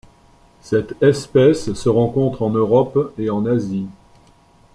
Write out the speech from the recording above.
Cette espèce se rencontre en Europe et en Asie.